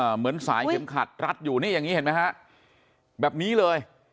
เหมือนสายเข็มขัดรัดอยู่นี่อย่างนี้เห็นไหมฮะแบบนี้เลย